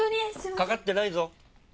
かかってないぞ。